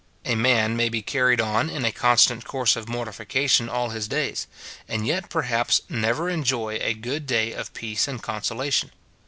A man may be carried on in a constant course of mortification all his days ; and yet perhaps never enjoy a good day of peace and conso lation.